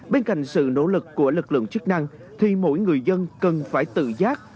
bên cạnh sự nỗ lực của lực lượng chức năng thì mỗi người dân cần phải tự giác